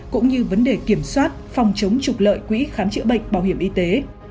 cũng như vấn đề kiểm soát phòng chống trục lợi quỹ khám chữa bệnh bảo hiểm y tế